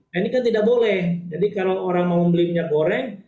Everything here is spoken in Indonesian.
nah ini kan tidak boleh jadi kalau orang mau membeli minyak goreng